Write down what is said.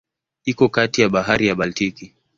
Iko kati ya Bahari ya Baltiki.